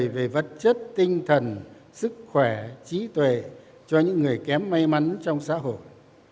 nhân đạo đối với vật chất tinh thần sức khỏe trí tuệ cho những người kém may mắn trong xã hội